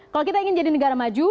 kalau kita ingin jadi negara maju